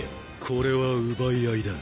これは奪い合いだ。